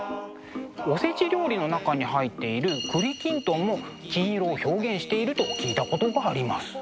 おせち料理の中に入っている栗きんとんも金色を表現していると聞いたことがあります。